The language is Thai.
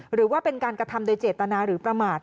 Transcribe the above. หรือว่าเป็นการกระทำโดยเจตนาหรือประมาท